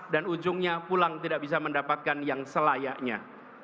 dan ujungnya pulang tidak bisa mendapatkan yang selayaknya